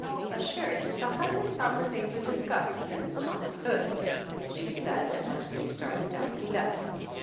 "A shirt is a highly proper thing to discuss since Thomas Hood," she said as we started down the steps.